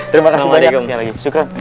terima kasih banyak lagi